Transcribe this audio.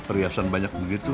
perhiasan banyak begitu